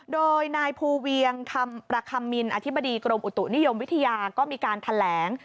โดยนายภูเวียงคำประคัมมินอธิบดีกรมอุตุนิยมวิทยาก็มีการแถลง